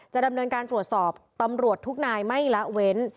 ดำเนินการตรวจสอบตำรวจทุกนายไม่ละเว้น